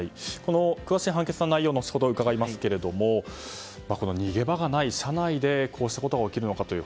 詳しい判決内容は後ほど伺いますが逃げ場がない車内でこうしたことが起きるのかという。